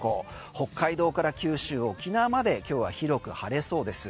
北海道から九州、沖縄まで今日は広く晴れそうです。